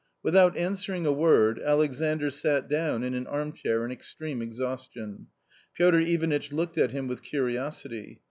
Without answering a. iVoi'cT, Alexandr sat down in an armchair in extreme exhaustion. Piotr Ivanitch looked at him with curiosity.